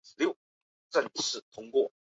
会不会改变他们呢？